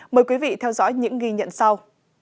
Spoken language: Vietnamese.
mời quý vị theo dõi những ghi nhận sau